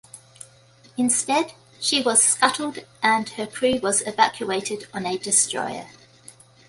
Instead, she was scuttled and her crew was evacuated on a destroyer.